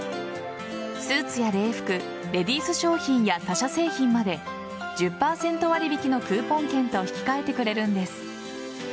スーツや礼服レディース商品や他社製品まで１０％割引のクーポン券と引き換えてくれるんです。